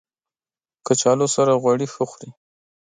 کچالو سره غوړي ښه خوري